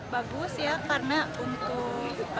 bagus ya karena untuk